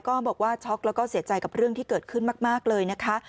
บอกว่าช็อกแล้วก็เสียใจกับเรื่องที่เกิดขึ้นมากเลยนะคะ